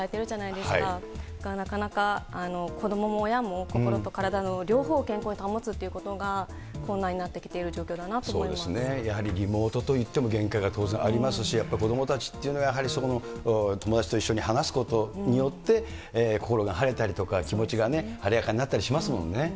だからなかなか子どもも親も、心と体の両方を健康に保つということが困難になってきている状況そうですね、やはりリモートといっても、限界が当然ありますし、やっぱり子どもたちっていうのは、やはり友達と一緒に話すことによって、心が晴れたりとか、気持ちが晴れやかになったりしますもんね。